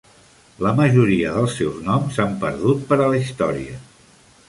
La majoria dels seus noms s'han perdut per a la història.